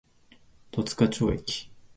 十日町駅